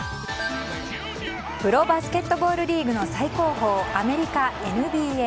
プロバスケットボールリーグの最高峰アメリカＮＢＡ。